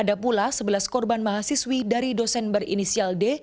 itulah sebelas korban mahasiswi dari dosen berinisial d